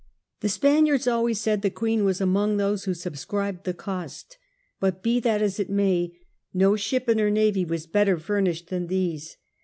The Spaniards always said the Queen was among those who subscribed the cost^ but be that as it may, no ship in her navy was better furnished than these.